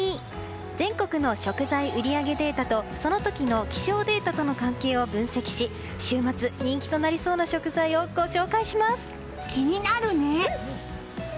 全国の食材売り上げデータとその時の気象データとの関係を分析し週末人気となりそうな食材を気になるね！